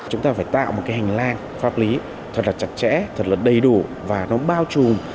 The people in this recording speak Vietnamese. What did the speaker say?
chúng ta phải tạo một cái hành lang pháp lý thật là chặt chẽ thật là đầy đủ và nó bao trùm